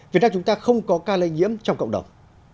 việt nam chúng ta không có ca lây nhiễm trong cộng đồng